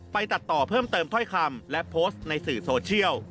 ตัดต่อเพิ่มเติมถ้อยคำและโพสต์ในสื่อโซเชียล